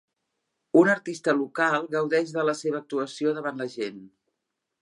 Un artista local gaudeix de la seva actuació davant la gent.